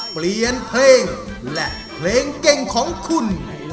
เปลี่ยนเพลงและเพลงเก่งของคุณ